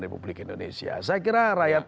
republik indonesia saya kira rakyat